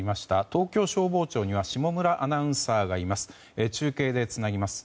東京消防庁には下村アナウンサーがいます。